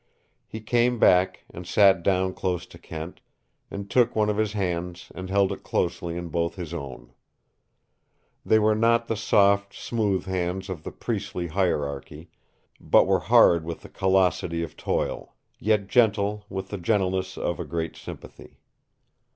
He came back, and sat down close to Kent, and took one of his hands and held it closely in both of his own. They were not the soft, smooth hands of the priestly hierarchy, but were hard with the callosity of toil, yet gentle with the gentleness of a great sympathy.